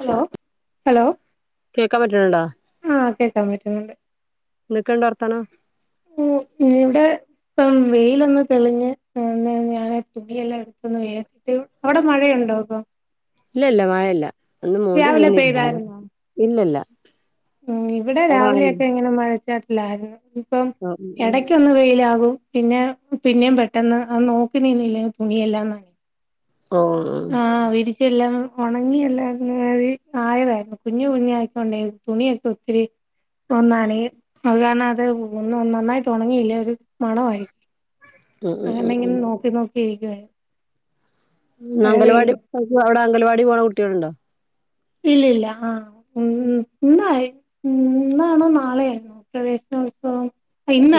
Hello hello കേക്കാൻ പറ്റണുണ്ടോ ആഹ കേക്കാൻ പറ്റുന്നുണ്ട് ന്തക്കൊണ്ട് വർത്താനം ഇവിടെ ഇപ്പം വെയിലൊന്ന് തെളിഞ്ഞ് ഞാൻ തുണിയല്ല ടുട്ട് അവിടെ മഴയുണ്ടോ ഇപ്പം ഇല്ല ഇല്ല മഴയില്ല അന്ന് മൂടി രാവിലെ ഇങ്ങന പെയ്തായിരുന്നോ ഇല്ലല്ല അടെ വ മഴച്ചാലരുന്ന് ഇപ്പ എടക്കൊന്ന് വെയിലാകും പിന്നെ പിന്നേം പെട്ടെന്ന് അ നോക്കിനിന്നില്ലേ തുണിയെല്ലാം നന ഓ ആ വിരിച്ച എല്ലാം ഒണങ്ങിയ എല്ലാം ആയതായിരുന്നു കുഞ്ഞു കുഞ്ഞു ആയക്കോണ്ടേ തുണിയൊക്കെ ഒത്തിരി ഒ നനയും അത് കാരണം അത് ഒന്ന നന്നായിട്ട് ഉണങ്ങിയില്ലേ ഒരു മണയിരിക്കും ഉം ഉം ഉം അങ്ങനെങ്ങനെ ഉം നോക്കി നോക്കിഇരിക്കുവാ അങ്കൽവാടി അവിടെ അംഗൽവാടി പോണ കുട്ടികളുണ്ടോ ഇല്ല ഇല്ല ആഹ ഉം ഇന്നായി ഉ ഇന്നാണോ നാളെയ ആണോ പ്രവേശനോത്സവം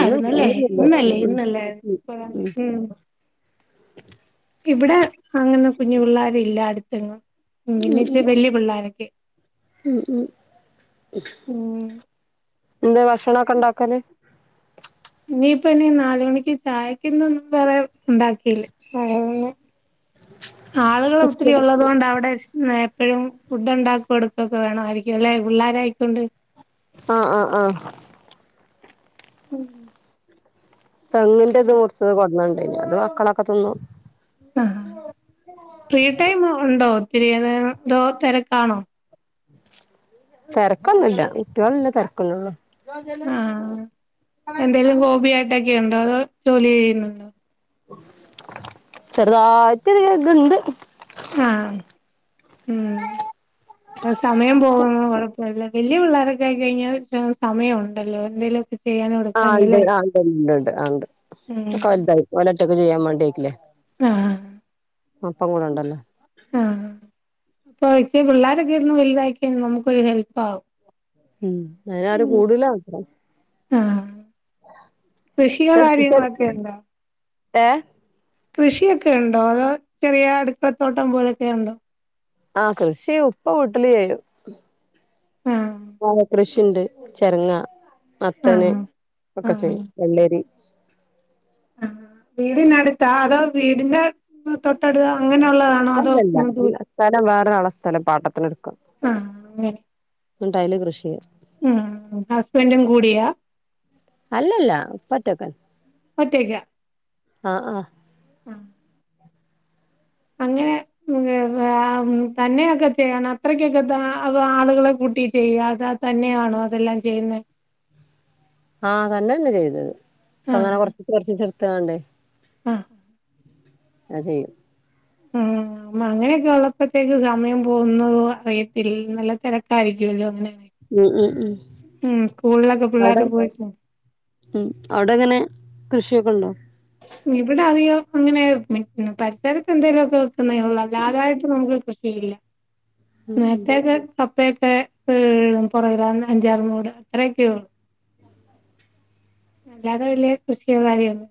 ഇന്ന് അല്ലേ ഇന്നില്ല ഉം ഇന്നല്ലേ ഉം ഇന്നല്ലേ മുപ്പതാം തീ ഉം ഇവിടെ അങ്ങന കുഞ്ഞു പിള്ളാരില്ല അടുതെന്നും ഉ പിന്നെ ഇച്ചി വല്യ പിള്ളോരൊക്കെ ഉ എന്താ ഭക്ഷണൊക്കെ ഉണ്ടാക്കല് ഇനിയിപ്പ ഇനി നാലുമണിക്ക് ചായക്കിന്നൊന്നും വേറെ ഉണ്ടാകീല്ല ആളുകൾ ഒത്തിരി ഉള്ളത് കൊണ്ട് അവിടെ ഇസ് നെ എപ്പഴും ഫുഡ് ഉണ്ടാക്കി കൊട്ക്കൊക്കെ വേണായിരിക്കുംല്ലെ പുള്ളാരായ്ക്കൊണ്ട് അഹ് അഹ് ആഹ് ഉം തെങ്ങിന്റെ ഇത് മുർച്ചത് കൊട്ന്നെണ്ടേയ്നു. അത് മക്കളൊക്കെ തിന്നു ആഹ് ഫ്രീ ടൈം ഉണ്ടോ ഒത്തിരി അതോ ന്തോ തെരക്കാണോ തെരക്കൊന്നുല്ല. കൂട്ട്യോള്ള്ള തെര്ക്കെന്നെള്ളൂ ആഹ് എന്തേലും ഹോബിയായിട്ടൊക്കെ ണ്ടോ അതോ ജോലി ചെയ്യുന്നുണ്ടോ ചെറ്തായിട്ട് ഒരു ഇത്ണ്ട് ആഹ് ഉം സമയം പോകുന്നത് കൊഴപ്പമില്ല. വല്ല്യ പിള്ളോരൊക്കെ ആയി കഴിഞ്ഞാ സമയ ഉണ്ടല്ലോ എന്തേലുമൊക്കെ ചെയ്യാനും ആഹ് എടുക്കാനും ഇണ്ട് അല്ലേ ആണ്ട് ഇണ്ട്ണ്ട് ഉണ്ട് ഉം ക്കെ വൽതായി ഓലൊറ്റക്ക് ചെയ്യാൻ വേണ്ടി ആയ്ട്ടില്ലേ ആഹ് ആഹ് അപ്പൊ ഇച്ചി പിള്ളോരൊക്കെ ഇര്ന്ന് വൽതായി കയിഞ്ഞ നമുക്കൊരു ഹെൽപ്പ് ആവും. ഉം അയ്നാരും കൂടുലാത്രം ആഹ് കൃഷിയോ കാര്യങ്ങളൊക്കെ ഉണ്ടോ ഏഹ് കൃഷിയൊക്കെയുണ്ടോ അതോ ചെറിയ അടുക്കളത്തോട്ടം പോലൊക്കെ ഉണ്ടോ ആഹ് കൃഷി ഉപ്പ വീട്ടില് ചെയ്യും. ആഹ് മാങ്ങാ കൃഷിണ്ട് ചെരങ്ങ, മത്തന് ആഹ് ഒക്കെ ആഹ് ചെയ്യും വെള്ളരി ആഹ് വീടിനടുത്താ അതോ വീടിന്റെ തൊട്ടടുക അങ്ങന ഉള്ളതാ അല്ലല്ല സ്ഥലം വേറൊരാള സ്ഥലം പാട്ടത്തിന് ഇട്ക്ക ആഹ് അങ്ങനെ ഇങ്ങട്ട് അയില് കൃഷിയ്യ ഉം ഹസ്ബന്റും കൂടിയാ അല്ലല്ല ഉപ്പ ഒറ്റക്കന്നെ ആഹ് ആഹ് ഉം അങ്ങനെ [unintelligible] തന്നെയൊക്കെ ചെയ്യണോ അത്രക്കൊക്കെ താ അതോ ആളുകളെ കൂട്ടിട്ടെയ്യാതെ തന്നെയാണോ അതെല്ലാം ചെയ്യുന്നേ ആഹ് തന്നന്നെചെയ്യല് ക്കങ്ങനെ കൊർച്ചീച്ചെ കൊർച്ചീച്ചെ ഇട്ത്ത്കാണ്ടേ ആഹ് അത് ചെയ്യും ആഹ് ആമ്മ അങ്ങനെയൊക്കെ ഉള്ളപ്പത്തേക്ക് സമയം പോകുന്നതോ അറിയത്തില്ല നല്ല തെരക്കായിരിക്കുവല്ലോ അങ്ങനെ ഉം ഉം ഉം ഉം സ്കൂൾളൊക്ക അവിടെ പിള്ളേര് പോയിട്ട് ഉം അവടെങ്ങനെ കൃഷിയൊക്കെണ്ടോ ഇവിടെ അധികോ അങ്ങനെ പരിസരത്ത് എന്തേലൊക്കെ [unintelligible] അല്ലാതായിട്ട് നമുക്ക് കൃഷിയില്ല നേര്ത്തേക്കെ കപ്പയൊക്കെ പൊറകില അന്ന് അഞ്ചാറ്മൂട് അത്രയൊക്കെ ഒള്ളൂ അല്ലാതെ വല്ല്യേ കൃഷിയൊ കാര്യയൊ ഒന്നും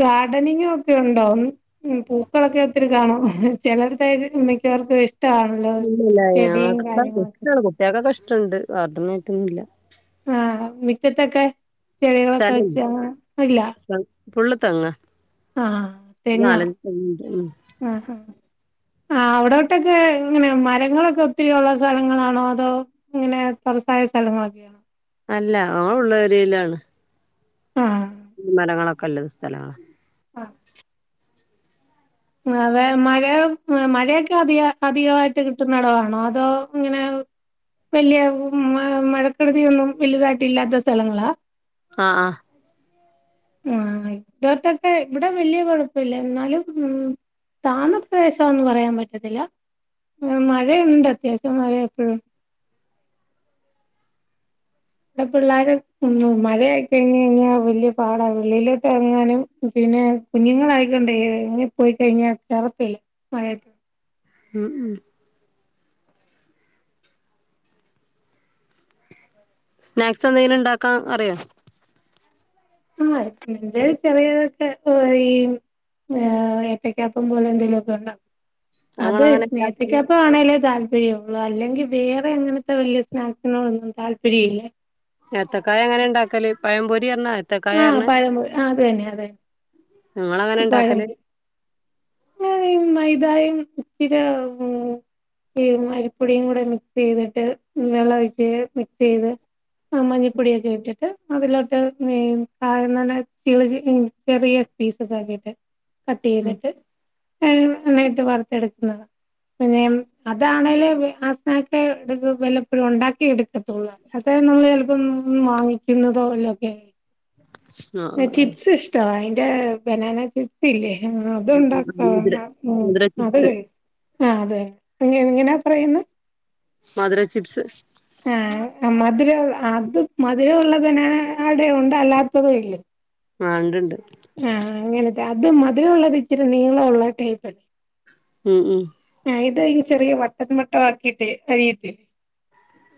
ഗാർഡനിങ്ങക്കെ ഉണ്ടോ പൂക്കളൊക്കെ ത്തിരിക്കാണോ ചെലറ്ടേത് മിക്കവർക്കും ഇഷ് ഇല്ല ഞങ്ങക്ക് ന്താ കാര്യങ്ങളൊക്കെ ഇഷ്ടാണ് കുട്ട്യേകെക്കെ ഇഷ്ട്ടണ്ട്. ഗാർഡനെയ്റ്റൊന്നും ഇല്ല ആഹ് മിറ്റത്തൊക്കെ സ്ഥലം ചെടികളൊക്കെവെച്ച് ആഹ് ഇല്ല ഫുള്ള് തെങ്ങാ ആഹ് തെങ്ങാ നാലഞ്ച് തെങ്ങുണ്ട് ഉം ആഹ് ആഹ് അവടോട്ടൊക്കെ ഇങ്ങനെ മരങ്ങളൊക്കെ ഒത്തിരിയുള്ള സെലങ്ങളാണോ അതോ ഇങ്ങനെ തുറസായ സ്ഥലങ്ങളൊക്കെയാണോ അല്ല അങ്ങള് ഉള്ളേ ഏരേലാണ് ആഹ് മരങ്ങളൊക്കെല്ലത് സ്ഥലാ ആഹ് ങ്ങഅതെ മഴ മഴയൊക്കെഅധിക അധികമായിട്ട്കിട്ടുന്ന ഇടംആണോ അതോ ഇങ്ങനെ വെല്ല്യ മമഴക്കെടുതിയൊന്നും വലുതായിട്ടില്ലാത്ത സ്ഥലങ്ങളാ ആഹ് ആഹ് ആഹ് ഇതോർത്തൊക്കെ ഇവിടെവെല്ല്യ കുഴപ്പയില്ല എന്നാലും ഉം താന്നപ്രശാ ഒന്നുപറയാപറ്റത്തില്ല മഴയുണ്ട് അത്യാവശ്യംമഴ എപ്പഴും ഇവടെ പിള്ളേര് മഴആയികഴിഞ്ഞ് ഇഞ്ഞവല്ല്യപാടാ വെളിയിലോട്ട്എറങ്ങാനും പിന്നെ കുഞ്ഞുങ്ങളായിക്കൊണ്ടേ ഇങ്ങ് പോയിക്കഴിഞ്ഞാ കേറത്തില്ല മഴആയിരിക്കോ ഉം ഉം സ്നാക്സ് എന്തെലും ഉണ്ടാക്കാം അറിയോ ആഹ് ഇന്റേൽ ചെറിയതൊക്കെ ഫ്രൈ ഏഹ് ഏത്തക്കാപ്പംപോലെ എന്തേലൊക്കെ ഇണ്ടകും അത് ഞങ്ങളങ്ങനെ ഉണ്ടാക്കല് നേത്തക്കാപ്പആണേലെ താല് പര്യംഒള്ളൂ അല്ലെങ്കിവേറെ എങ്ങനത്തെ വല്ല്യ സ്നാക്സിനോടന്നും താല്പര്യം ഇല്ല ഏത്തക്കായ എങ്ങനെ ഇണ്ടാക്കല് പഴംപൊരിഅർഞ്ഞ ആഹ് പഴംപൊ ആഹ് അത്‌തന്നെ അതെ ഞങ്ങളങ്ങനെ പഴം ഉണ്ടാക്കല് മൈതായും ഇത്തിര ഈമു അരിപ്പൊടിയുംകൂടെ മിക്സയ്തിട്ട് വെള്ളഒഴിച്ച് മിക്സയ്ത് ആഹ് മഞ്ഞിപ്പൊടിയൊക്കെ ഇട്ടിട്ട് അതിലോട്ട് കായംന്നറിഞ്ഞ ചിള്ള്ചീ ഉം ചെറിയസ്പീസ് മിക്സാക്കിയിട്ട് കട്ട് ഉം ചെയ്തിട്ട് [unintelligible] നന്നായിട്ട് വർത്തെടുക്കുന്നത് പിന്നേം അതാണേല് ആ സ്തൻക്ക് വല്ലപ്പോഴും ഉണ്ടാക്കി എടുക്കത്തൊള്ളൂ അതാ [unintelligible] ചിലപ്പം വാങ്ങിക്കുന്നതോലൊക്കെ ആ ആ ആ ചിപ്സ് ഇഷ്ട്ടവ അയിന്റെ ബനാന ചിപ് സ് ല്ലേ ഉം ഉം അത്ണ്ടാക്ക ഉം. മധുര മധുര [unintelligible] അത് ചിപ്സ് ആഹ് അതെ എങ്ങനാ പറയുന്നേ മധുര ചിപ്സ് ആഹ് മധുര അത് മധുരമള്ള ബനാനേടതുണ്ട് അല്ലാത്തതും ഇല്ലേ ആഹ് ണ്ട് ഇണ്ട് ആഹ് അങ്ങനത്തെ അത് മധുരമുള്ളത് ഇച്ചിരി നീളമുള്ള ടൈപ്പ് ഉം ഉം ആഹ് ഇത് ചെറിയ വട്ടം വട്ടാക്കിയിട്ട് അരിയത്തി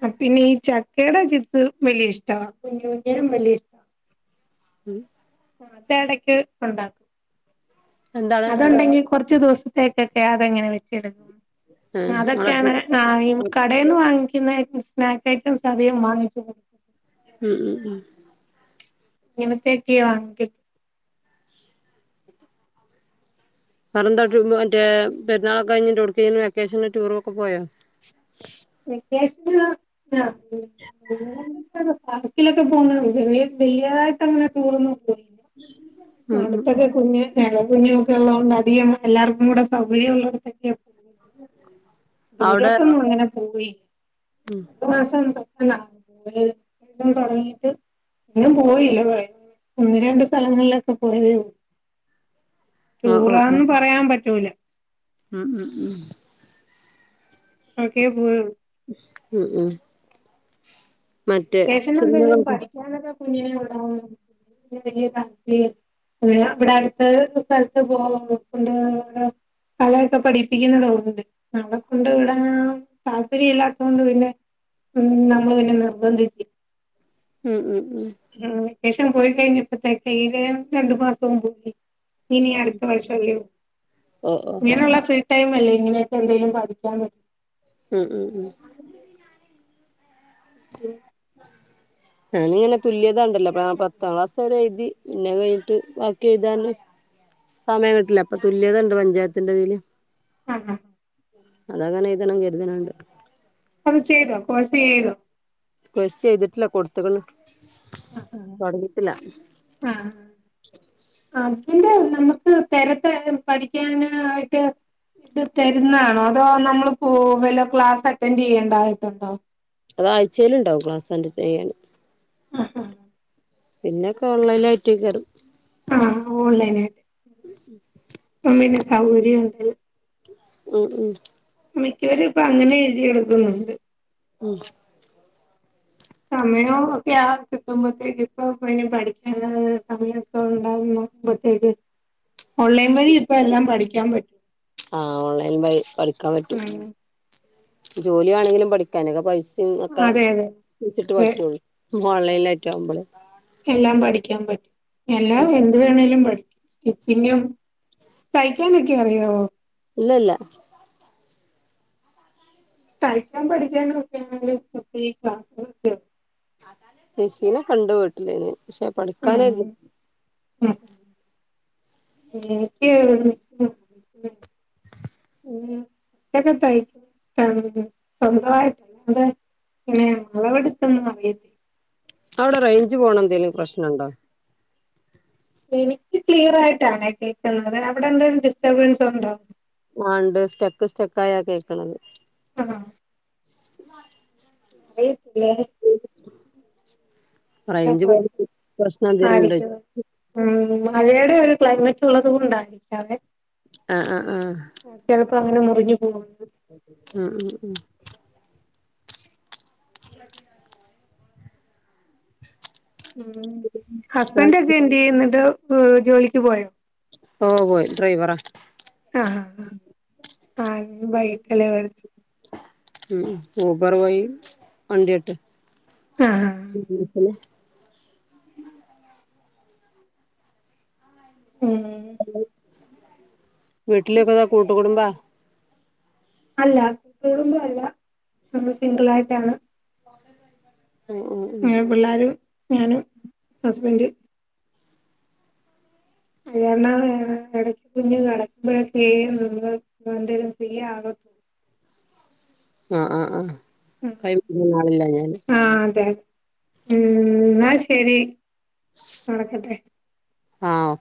ആഹ് പിന്നെ ഈ ചക്കയുടെ ചിപ്സ് വല്യ ഇഷ്ടാ കുഞ്ഞേലും വല്യ ഇഷ്ടാ ഉം അതെടെക്ക്ടക്ക് ഉണ്ടാക്കും. എന്താണ് അതുണ്ടെങ്കിൽ കൊറച്ച് ദിവസ് കെ കെട്ടയതെ ങ്ങനെ വെച്ചെടുക്കും ഏ നിങ്ങളൊക്കെ അതൊക്കെയാണ് ആഹ് ഈ കടേന്ന് വാങ്ങിക്കുന്ന സ്നാക്ക് ഐറ്റംസ് അധികം വാങ്ങിക്കുന്നു ഉം ഉം ഉം നിമി ത്തേറ്റീവാ തി പറൻ [unintelligible] മറ്റേ പെരു ന്നാളൊക്കെ കഴിഞ്ഞ് ഒട്ക്കേലും വെക്കേഷൻ ടൂറൊക്കെ പോയോ വെക്കേഷനിലാ [unintelligible] [inaudible] [unintelligible] പാർക്കിലൊക്കെ പോകുന്നു. ചെറിയ വല്യായിട്ടങ്ങനെ ടൂറൊന്നും പോയി [inaudible] അടുത്തൊക്കെ കുഞ്ഞ് ഇളയകുഞ്ഞൊക്കെ ഉള്ളതോണ്ട് അധികം എല്ലാർക്കും കൂടെ സൗകര്യം ഉള്ളടത്തൊക്കെ [inaudible] ദൂരോട്ടൊന്നും അങ്ങനെ പോയി ഉം ഒരു മാസം [unintelligible] യുദ്ധം തുടങ്ങിട്ട് എങ്ങും പോയില്ല ഒന്ന് രണ്ട് സ്ഥലങ്ങളിലൊക്കെ പോയതേ ഓ ഓ ഓ ടൂറാന്ന് പറയാൻ പറ്റൂല ഉം ഉം ഉം ആകെ പോയുള്ളൂ ഹു ഉം മറ്റേ വെക്കേഷൻ സിൻമകൾക്കും [unintelligible] അതി ലെ ഇവടെ അടുത്ത സ്ഥൽത്ത് പോ [unintelligible] ണ്ട് അതൊക്കെ പഠിപ്പിക്കുന്ന്ണ്ട് തോന്ണ്ട്. നമ്മളെ കൊണ്ട് ഇവടേ താല്പര്യം ഇല്ലാത്തൊണ്ട് പിന്നെ ഒന്നും നമ്മള് പിന്നെ നിർബന്ധി ഉം ഉം ഉ ഉം വെക്കേഷൻ പോയി കഴിഞ്ഞപ്പോത്തേക്ക് ഇതെ രണ്ടു മാസവും പോയി. ഇനി അടുത്ത വർഷോള്ളൂ ഓ ഓ ഇങ്ങനെയുള്ള ഫീ ടൈമല്ലേങ്ങനൊക്കെ എന്തെലും പഠിക്കാൻ പ ഉം ഉം ഉം [inaudible] ഞാന് ഇങ്ങനെ തുല്യത ണ്ടല്ലോ പത്താം ക്ലാസ് വരേ എഴുതി പിന്നെ അയ് കഴിഞ്ഞിട്ട് ബാക്കി എഴുതാന് സമയം കിട്ടില്ല അപ്പൊ തുല്യത ഇണ്ട് പഞ്ചായത്തിന്റെതില്. ആ ഹാ. അതങ്ങനെ എയ്തണം കരുത്ണ് ണ്ട്. അത് ചെയ്തോ കോഴ്സ് ചെയ്തൊ? കോഴ്സ് ചെയ്തിട്ടില്ല കൊടുത്ത്ക്ക്ണ് തൊടങ്ങീട്ടില്ല. ആ. അതിന്റെ നമ്മക്ക് തരത്ത് പഠിക്കാനായിട്ട് ഇത് തരുന്നാണോ അതോ നമ്മള് പോ വല്ല ക്ലാസ്സ് അറ്റൻഡ് ചെയ്യേണ്ടായിട്ടുണ്ടോ? അത് ആഴ്ചയിലുംണ്ടാവും ക്ലാസ് സന്റ പെയ്യാണ്. ആ ആ പിന്നെ ഒക്കെ ഓൺലൈൻ ആയിട്ട് കേറും. ആഹ് ഓൺലൈൻ ആയിട്ട് അപ്പ പിന്നെ സൗകര്യ ഉണ്ട് ഉ ഉ മിക്കവരും ഇപ്പൊ അങ്ങനെ എഴ്തി എടുക്കുന്നുണ്ട്. ഉം സമയം ഒക്കെ ആ കിട്ടുമ്പത്തേക്ക് ഇപ്പോ പിന്നേ പഠിക്കാന സമയം. ഇണ്ടാകുമ്പോത്തേക്ക് ഓൺലൈൻ വഴി ഇപ്പ എല്ലാം പഠിക്കാൻ പ ആഹ് ഓൺലൈൻ വഴി പഠിക്കാൻ പറ്റൂ ഉം ജോലിയാണെങ്കിലും പഠി അതിനൊക്കെ പൈസിം ഒക്കെ അതെ അതെ വച്ചിട്ട് അതെ പറ്റുള്ളൂ, ഓൺലൈലായിട്ട് ആവുമ്പള്. എല്ലാം പഠിക്കാൻ പറ്റും, എല്ലാം എന്ത് വേണേലും പഠി സ്റ്റിച്ചിങ്ങും തയ്ക്കാനൊക്കെ അറിയാവോ? ഇല്ല ല്ല തയ്ക്കാൻ പഠിക്കാനൊക്കൊ ആണെ [unintelligible] [unintelligible] മിഷീനെക്കണ്ട് വ്ട്ടില് പക്ഷെ ഉം പഠിക്കാനായിരുന്നു [unintelligible] [unintelligible] [unintelligible] [unintelligible] സ്വന്തമായി [unintelligible] പിന്നെ അളവെടുത്തൊന്നും അറിയത്തി അവടെ റേഞ്ച് പോണന്തേലും പ്രശ്നണ്ടോ? എനിക്ക് ക്ലിയർ ആയിട്ടാണെ കേൾക്കുന്നത് അവടെന്തേലും ഡിസ്റ്റർബൻസ് ഉണ്ടോ? ആഹ് ണ്ട് സ്റ്റെക്ക് സ്റ്റെക്കായാ കേൾക്ണത്. [unintelligible] [inaudible] അറിയത്തില്ലേ. എന്താ റേഞ്ച് പോന്ന കുഴപ്പം പ്രശ്നം എന്തേലുണ്ട് ആയിരിക്കും ഉം, മഴയുടെ ഒരു ക്ലൈമറ്റ് ഉള്ളത് കൊണ്ടായിരിക്കാവേ ആഹ് ആ ആ. ചെലപ്പോ അങ്ങനെ മുറിഞ്ഞു പോണത് ഉം ഉം ഉം. ഉം ഉം ഹസ്ബൻഡൊക്കെ എന്ത് ചെയ്യുന്നു ജോലിക്ക് പോയോ ഓ പോയി ഡ്രൈവറാ ആഹ് ആഹ് ആഹ് വൈകിട്ടല്ലേ വരത്ത് ഉ ഊബർ പോയി വണ്ടിട്ട് ആഹ് [unintelligible] ഉം വീട്ടില് ഏതാ കൂട്ട്കുടുംബാ അല്ല കുടുമ്പോ അല്ല നമ്മൾ സിംഗിൾ ആയിട്ടാണ് ആഹ് ഉം ഉം പിള്ളേരും ഞാനും ഹസ്ബൻഡ് അഹ് എണാേ ഇടക്ക് കുഞ്ഞു കടക്കുമ്പോഴക്കെയും നമ്മൾ എന്തേലും ഫ്രീ ആകു ആഹ് ആഹ് ആഹ് കൈമാറാൻ ആളില്ലഞ്ഞ് ആഹ് അതെ ഉം എന്നാൽ ശരി നടക്കട്ടെ ആ ഓ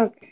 ഒക്കെ